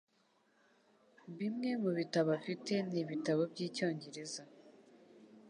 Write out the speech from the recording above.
Bimwe mubitabo afite ni ibitabo byicyongereza.